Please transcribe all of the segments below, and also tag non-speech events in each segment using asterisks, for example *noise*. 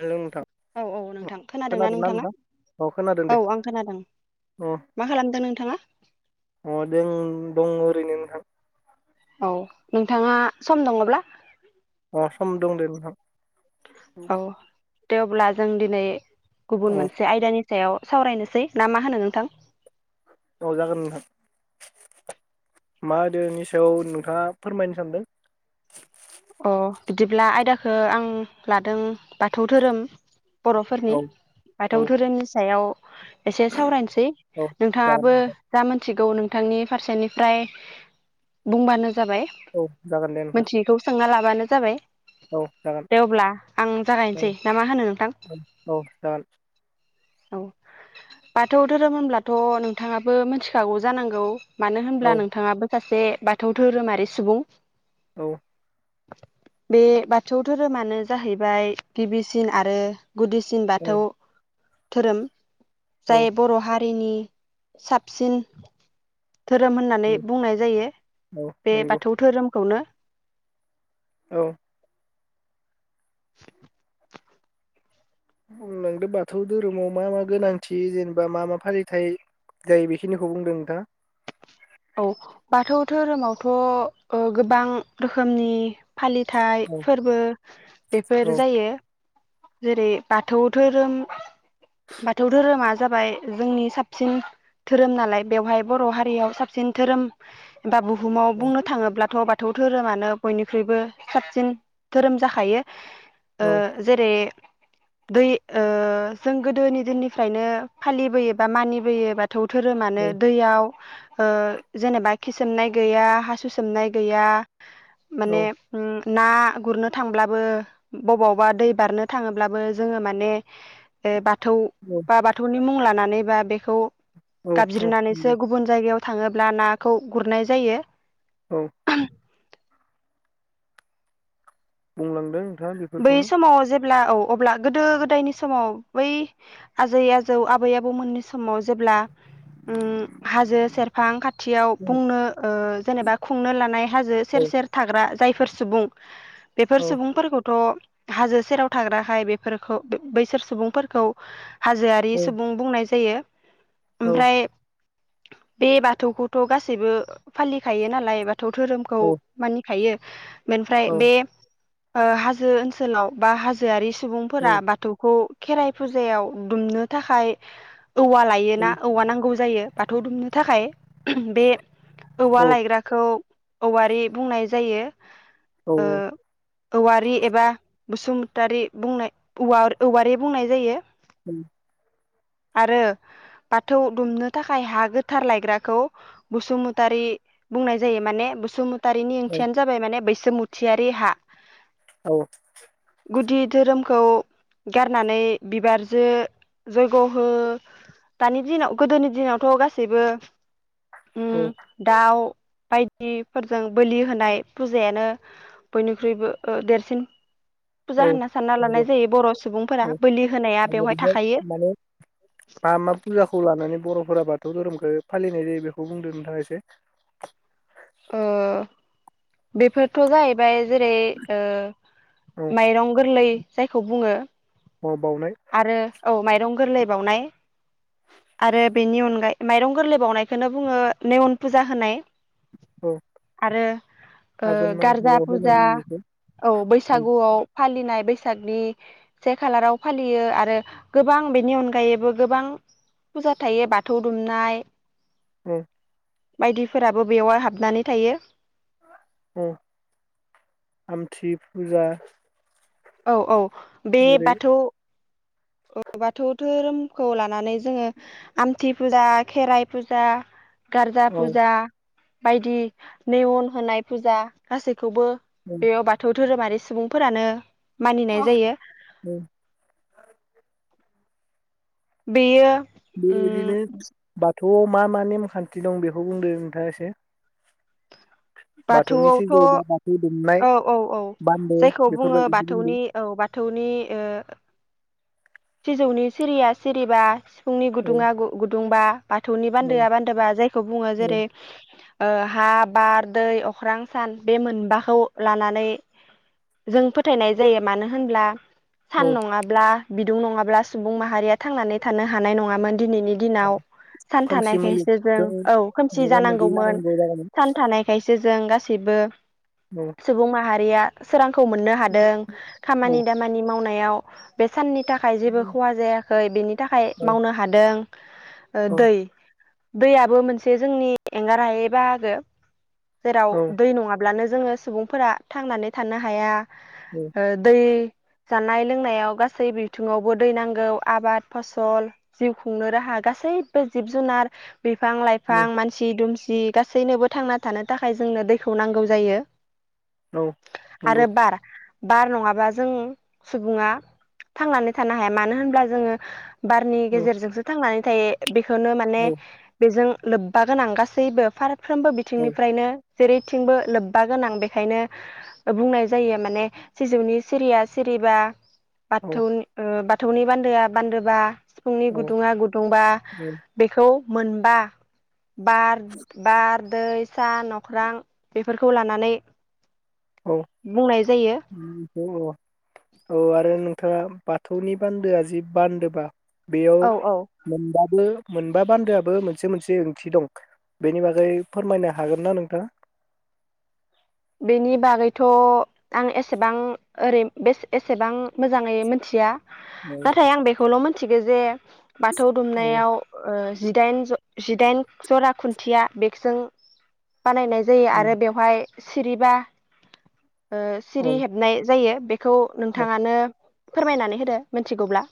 Hello नोंथां औ औ नोंथां खोनादोंना नोंथाङा नोंथां? अ खोनादों औ दे आं खोनादों अ मा खालामदों नोंथाङा अ जों दङ ओरैनो नोंथां औ नोंथाङा सम दङब्ला अ सम दंदे नोंथां। थेवब्ला जों दिनै गुबुन औ मोनसे आयदानि सायाव सावरायनोसै ना मा होनो नोंथां? औ जागोन नोंथां मा दोनि सायाव नोंथाङा फोरमायनो सानदों? अ बिदिब्ला आयदाखो आं लादों बाथौ धोरोम। बरफोरनि औ औ बाथौ धोरोमनि सायाव एसे सावरायनोसै औ जागोन नोंथाङाबो नोंथां जा मोनथि गौ नोंथांनि फारसेनिफ्राय बुंबानो ज जाबाय औ जागोन दे नोंथां मोनथियिखौ ना लाबानो जाबाय। औ जागोन दे अब्ला आं औ जागायनोसै ना मा होनो नोंथां औ जागोन औ बाथौ धोरोम होनब्लाथ नोंथाङाबो मिथिखागौ जानांगौ। मानो औ होनब्ला नोंथाङाबो सासे बाथौ धोरोमारि सुबुं औ बे बाथौ धोरोमानो जाहैबाय गिबिसिन आरो गुदिसिन बाथौ धोरोम औ जाय बर हा रिनि साबसिन धोरोम होननानै बुंनाय जायो बे नंगौ बाथौ धोरोमखौनो। औ बुंलांदो बाथौ धोरोमाव मा मा गोनांथि जेनेबा मा मा फालिथाय जायो बेखिनिखौ बुंदो नोंथां औ बाथौ धोरोमावथ' ओ गोबां रोखोमनि फालिथाय औ फोरबो औ बेफोर जायो। जेरै बाथौ धोरोम बाथौ धोरोमा जाबाय जोंनि साबसिन धोरोम नालाय बेवहाय बर हारियाव साबसिन धोरोम बा बुहुमाव औ बुंनो थाङोब्लाथ' बा थौ धोरोमानो बयनिख्रुइबो साबसिन धोरोम जाखायो ओ औ जेरै दै ओ जों गोदोनि दिननिफ्रायनो फालिबोयो बा मानिबोयो बा थौ धोरोमानो दैयाव ओ जेनेबा खि सोमनाय गैया हासु सोमनाय गैया औ माने उम ना गुरनो थांब्लाबो बबावबा दै बारनो थाङोब्लाबो जोङो माने ओ बाथौ औ बा बाथौनि मुं लानानै बा बेखौ औ नंगौ गाबज्रिनानैसो गुबुन जायगायाव थाङोब्ला नाखौ गुरनाय जायो। औ। बुंलांदों नोंथाङा बेफोरखौनो अब्ला औ अब्ला गोदो गोदायनि समाव बै आजै आजौ आबै आबौमोननि समाव जेब्ला ओम हाजो सेरफां खाथियाव बुंनो ओह जेनेबा खुंनो लानाय हाजो औ सेर सेर थाग्रा जायफोर सुबुं बेफोर औ सुबुंफोरखौ थ हाजो सेराव थाग्राखाय बेफोरखौ बे बैसोर सुबुंफोरखौ हाजोआरि औ सुबुं बुंनाय जायो। औ ओमफ्राय बे बाथौखौथ' गासैबो फालिखायो नालाय बा थौ धोरोमखौ मानिखायो बेनिफ्राय औ बे ओ हा जो ओनसोलाव बा हाजोआरि औ सुबुंफोरा बाथौखौ खेराइ फुजायाव दुमनो थाखाय। औवा लायोना औवा नांगौ जायो। बाथौ दुमनो थाखाय। बे औवा औ लायग्राखौ औवारि बुंनाय जायो। औ ओ औवारि एबा बसुमतारि बुंनाय औवारि बुंनाय जायो *inaudible* आरो बाथौ दुमनो थाखाय हा गोथार लायग्राखौ बसुमतारी बुंनाय जायो माने बसुम तारिनि ओंथियानो जाबाय माने बै बैसोमुथियारि हा औ गुदि धोरोमखौ गारनानै बिबारजो जयग हो दानि दिनाव गोदोनि दिनावथ गासैबो उ औ दाउ बायदिफोरजों बोलि होनाय फुजायानो बयनिख्रुइबो देरसिन सिन फुजा औ होनना सानना लानाय नंगौ जायो बर सुबुंफोरा औ बोलि होनाया बेवहाय बेबायदिनो थाखायो माने मा मा फुजाखौ लानानै बर'फोरा बाथौ धोरोमखौ फालिनाय जायो बेखौ बुंदों नोंथाङा एसे ओ बेफोरथ जाहैबाय जेरै ओ औ माइरं गोरलै जायखौ बुङो ओ बावनाय आरो औ माइरं गोरलै बावउनाय आरो बेनि अनगायै माइरं गोरलै बावनायखौनो बुङो नेेवन फुजा होनाय औ आरो आघोन गारजा मांखौआव होनाय फुजा जायो औ बेखौ बैसागुआव फालिनाय बैसागनि से खालाराव फालियो आरो गोबां बेनि अनगायैबो गोबां फुजा थायो बाथौ दुमनाय ओ बायदिफोराबो बेयावाय हाबनानै थायो अ आमथि फुजा औ औ बे जेरै बाथौ बाथौ धोरोमखौ लानानै जोङो आमथि फुजा खेराइ फुजा गारजा औ फुजा बायदि नेवन होनाय फुजा गासै खौबो औ बेयाव बाथौ धोरोमारि सुबुंफोरानो मानिनाय जायो औ बेयो *unintelligible* उम बेनो बाथौ बाथौयाव मा मा नेमखान्थि दं बेखौ बुंदो नोंथाङा एसे। बाथौनि सिजौ बाथौआवथ' बा बाथौ दुमनाय औ औ औ बान्दो जायखौ बुङो बेफोरबायदिखौ बुंदों बाथौनि औ बाथौनि ओ सिजौनि सिरिया सिरिबा सि सिफुंनि औ गुदुङा गु गुदुंबा बाथौनि औ बान्दोआ बान्दोबा जायखौ बुङो औ जेरै ओ हा, बार, दै, अख्रां, सान बे मोनबाखौ लानानै जों फोथायनाय जायो मानो होनब्ला सान औ नङाब्ला बिदुं नङाब्ला सुबुं माहारिया थांनानै थानो हानाय नङामोन दिनैनि दिनाव सान खोमसि थानायखायसो जों मुलुगजों औ खोमसि मोगा मोगि जानांगौमोन जानांगौ जागौमोन सान थानायखायसो जोजों गासैबो औ सुबुं माहारि रिया सोरां खौ मोन्नो हादों। औ खामानि दामानि मावनाय बेयाव बे साननि थाखाय जेबो खहा जायाखै बेनि थाखाय औ मावनो हादों ओ दै दैयाबो मोनसे जोंनि एंगार हायै बाहागो। जेराव औ दै नङाब्लानो जोङो सुबुंफोरा थांनानै थानो हाया। ओ दै जानाय लोंनायाव गा सै बिथिङावबो दै नांगौ आबाद फसल जिउ खुंनो राहा गासैबो जिब जुनार बिफां औ लायफां मानसि दुमसि जि गासैनोबो थांना थानो थाखाय जोंनो दैखौ नांगौ जायो। औ नंगौ आरो बार बार नङाबा जों सुबुङा थांनानै थानो हाया मानो होनब्ला जोङो बारनि औ गेजेरजोंसो थांनानै *unintelligible* बेखौनो माने औ बेजों लोब्बा गोनां गासैबो फार फ्रोमबो बिथिंनिफ्रायनो जेरैथिंबो लोब्बा गोनां बेखायनो बुंनाय जायो माने सिजौनि सिरिया सिरिबा औ बाथौनि ओ बा बाथौनि बान्दोआ बान्दोबा सिफुंनि गुदुङा गुदुंबा बेखौ मोनबा बार बार दै, सान, नख्रां बेफोरखौ लानानै औ बुंनाय जायो औ औ आरो नोंथाङा बाथौनि बान्दोआ जि बान्दोबा बेयाव औ औ मोनबाबो मोनबा बान्दोआबो मोनसे मोनसे ओंथि दं बेनि बागै फोरमायनो हागोन ना नोंथाङा? बेनि बागैथ आं एसेबां ओरै बेस‌ एसेबां मोजाङै मिथिया औ नाथाय आं बेखौल मोन थिगो जे बाथौ औ दुमनायाव ओ जिदाइन ज जिदाइन जरा खुन्थिया बेकजों बानायनाय जायो आरो बेवहाय सिरिबा ओ औ सिरि औ हेबनाय जायो। खौ नोंथाङानो फोरमायनानै होदो मिथिगौब्ला।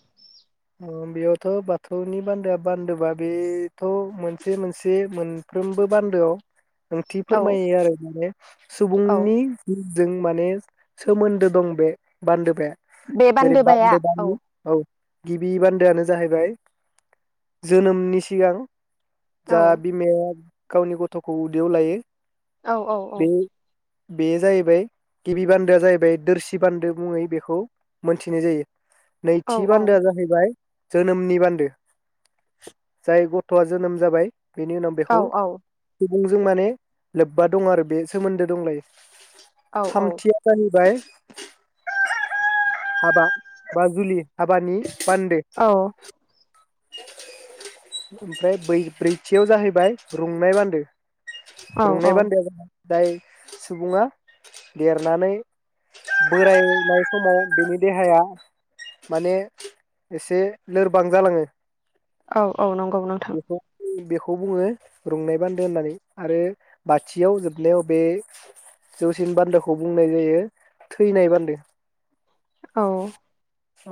बेयावथ' बाथौनि बान्दोआ बान्दोबा बेथ' मोनसे मोनसे मोनफ्रोमबो बान्दोआव ओंथि औ फोरमायो आरो बियो औ सुबुंनि गु जों माने सोमोन्दो दं बे बान्दोबाया बे जेरै बान्दोबाया औ बान्दोबानि गिबि बान्दोआनो जाहैबाय जोनोमनि सिगां औ जा बिमाया गावनि गथ'खौ उदैयाव लायो औ औ औ। बे बे जाहैबाय गिबि बान्दोआ जाहैबाय दोरसि बान्दो मुङै बेखौ मोनथिनाय जायो। औ नैथि औ बान्दोआ जाहै बाय जोनोमनि बान्दो जाय गथआ जोनोम जाबाय बेनि उनाव औ बेखौ मुंजों माने लोब्बा दं आरो बे सोमोन्दो दंलायो। औ थामथिया जाहैबाय हाबा बा जुलि हाबानि बान्दो। ओमफ्राय बै-ब्रैथियाव जाहैबाय रुंनाय बान्दो। औ रुंनाय बान्दोआ जा जाय सुबुङा देरनानै बोरायनाय समाव बेनि देहाया माने एसे लोरबां जालाङो औ औ नंगौ नोंथां। खौ बुङो रुंनाय बान्दो होननानै आरो बाथियाव जोबनायाव बे जौसिन बान्दोखौ बुंनाय जायो थैनाय बान्दो। औ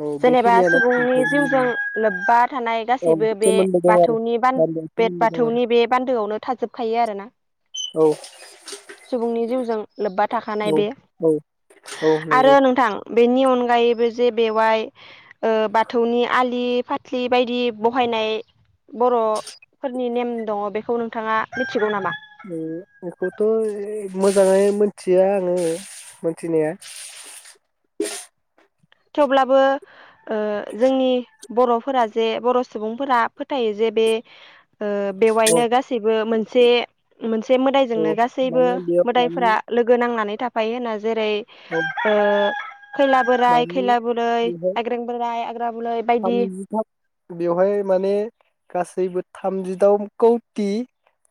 औ जेनेबा सुबुं नि बेखिनियानो जिउजों लोब्बा थानाय औ गासैबो बे सोमोन्दो दं आरो बाथौनि गामियाव बे सोमोन्दो दं आरो बाथौनि बे बान्दोआवनो थाजोबखायो आरोना औ सुबुंनि जिउजों लोब्बा थाखानाय औ बे औ औ नंगौ आरो नोंथां बेनि अनगायैबो जे बेवहाय ओ बाथौनि आलि फाथलि बायदि बहायनाय बरफोरनि नेम दङ बेखौ नोंथाङा मिथिगौ नामा? ओ बेखौथ' मोजाङै मोनथिया आङो मोनथिनाया थेवब्लाबो ओ जोंनि बरफोरा जे बर' सुबुंफोरा फोथायो जे बे ओ औ बेवहायनो गासैबो मोनसे मोनसे औ मोदायजोंनो गासैबो माने बेयाव मानि मोदायफोरा लोगो नांनानै था थाफायो होनना जेरै औ ओ खैला बोराय, मानि खैला बुरै, बेहाय आग्रें बोराय आग्रा बुरै बायदि थामजिथाम थामजिथाम कौटि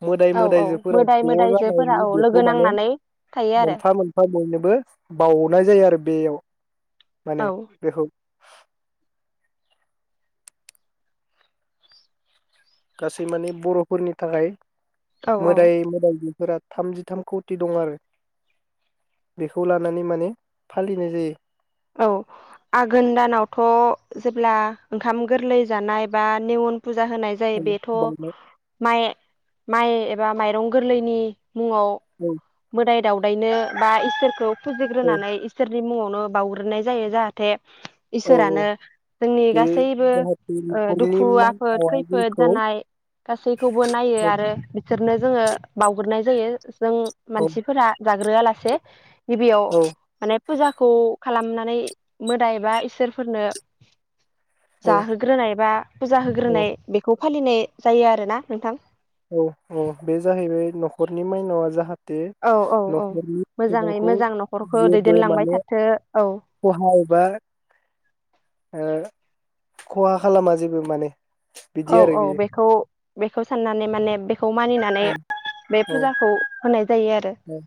मोदाय औ औ मोदायजोफोरा मोदाय ज मोदायजोफोरा जानायनि औ लोगो बेखौ माने नांनानै थायो आरो मोनफा मोनफा बयनोबो बाउनाय जायो आरो बेयाव माने औ बेखौ गासै माने बरफोरनि थाखाय औ औ मोदाय मोदायजो फोरा थामजिथाम कौति दं आरो बेखौ लानानै माने फालिनाय जायो। औ आघोन दानावथ जेब्ला ओंखाम गोरलै जानाय बा नेवन फुजा होनाय जायो बेथ' बावनाय माइ माइ एबा माइरं गोरलैनि मुङाव औ मोदाय दावदायनो बा इसोरखौ औ फुजिग्रोनानै इसोर मुङावनो बावग्रोननाय जायो जाहाथे औ औ इसोरानो जोंनि बे गासैबो जाहाथे ओ न'खरनि दुखु आफोद मानसिया खैफोद जोंखौ जानाय गासैखौबो नायो औ आरो बिसोरनो जोङो बावग्राय जायो। जों औ मानसिफोरा जाग्रोआ लासे गिबियाव माने फुजाखौ खालामनानै मोदायबा इसोरफोरनो औ जाहोग्रोनाय बा फुजा औ होग्रोनाय बेखौ फालिनाय जायो आरोना नोंथां। औ औ बे जाहैबाय न'खरनि माइनावआ जाहाथे बे औ औ औ न'खरनि मोजाङै सुबुंखौ मोजां न'खरखौ जेबो दैदेनलांबाय माने थाथो औ खहा एबा खहा खालामा जेबो माने औ बिदि आरो औ बेयो बेखौ बेखौ साननानै माने खौ मानिनानै बे औ औ फुजाखौ *unintelligible* जायो आरो औ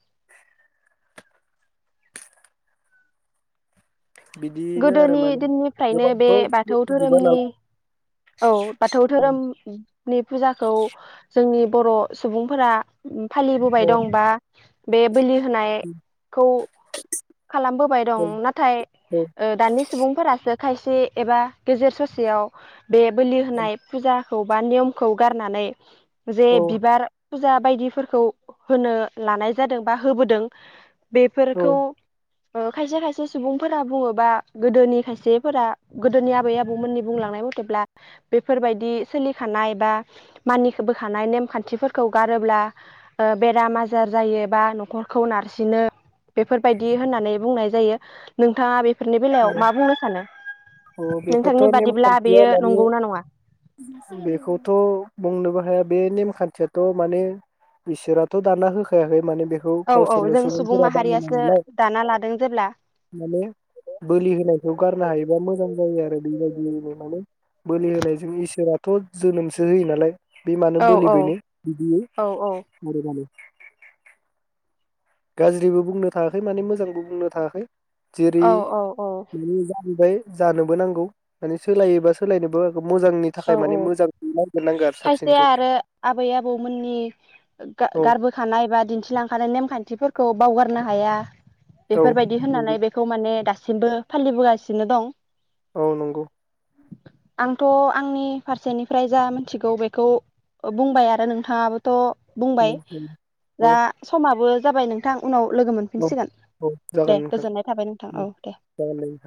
बिदिनो आरो गोदोनि माने दिननिफ्रायनो बे गोबांथ' बाथौ मिथिजोबा धोरोमनि औ बाथौ नालाय धोरोम नि फुजाखौ जोंनि बर' सुबुंफोरा फालिबोबाय औ दं बा बे बोलि होनायखौ खालामबोबाय दं नाथाय औ दानि सुबुंफोरासो खायसे एबा गेजेर ससेयाव बे बोलि होनाय फुजा खौ बा नियमखौ गारनानै जे औ बिबार फुजा बायदिफोरखौ होनो लानाय जादों बा होबोदों। औ बेफोरखौ खायसे खायसे सुबुंफोरा बुङोबा गोदोनि खायसेफोरा गोदोनि आबै आबौमोननि बुंलांनाय मथेब्ला बेफोरबायदि सोलिखानाय बा मानिबोखानाय नेमखान्थिफोरखौ गारोब्ला ओ बेराम आजार जायो बा नखरखौ नारसिनो बेफोरबायदि होननानै बुंनाय जायो नोंथाङा बे बेफोरनि बेलायाव मा बुंनो सानो औ नोंथांनि बेफोरथ' बादिब्ला बेयो *unintelligible* नंगौना नङा बेखौथ बुंनोबो हाया बे नेमखान्थियाथ' माने इसोराथ' दाना होखायाखै माने बेखौ औ औ गावसोरनो जों सुबुं सुबुंफोरा बानायनाय माहारियासो नालाय दाना लादों जेब्ला माने बोलि होनायखौ गारनो हायोबा मोजां जायो आरो बेबायदिनो माने बोलि होनायजों इसोराथ' जोनोमसो होयो नालाय बे मानो औ औ बोलिबायनो बिदि औ औ *unintelligible* गाज्रिबो बुंनो थाङाखै माने मोजांबो बुंनो थाङाखै जेरै औ *unintelligible* जाहैबाय जानोबो नांगौ माने सोलायोबा सोलायनोबो मोजांनि औ थाखाय औ माने मोजां नागिरनांगौ आरो खायसेया साबसिनखौ आरो आबै आबौमोननि गा‌ औ गारबोखानाय बा दिन्थिलांखानाय नेमखान्थिफोर खौ बावगारनो हाया औ बेफोरबायदि होननानै बेखौ माने दास दासिमबो फालिबोगासिनो दं। औ नंगौ। आंथ' आंनि फारसेनिफ्राय जा मोनथिगौ बेखौ ओ बुंबाय आरो नोंथाङाबोथ' बुंबाय औ नंगौ दा औ समाबो जाबाय नोंथां उनाव लोगो औ मोनफिनसिगोन औ जागोन दे नोंथां गोजोननाय थाबाय नोंथां उम औ दे। जागोन दे